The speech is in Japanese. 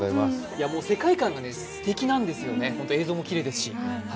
もう世界観がすてきなんですよね、映像もきれいですし。